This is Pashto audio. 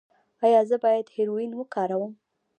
ایا زه باید هیرویین وکاروم؟